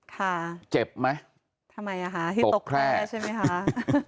ค่ะเจ็บไหมทำไมอ่ะคะที่ตกแคร่ใช่ไหมคะ